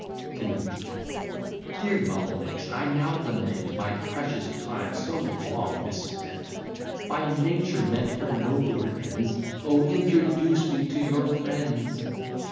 T. Dear Mullinix, I now lament My precious time so long mispent, By nature meant for nobler ends: O, introduce me to your friends!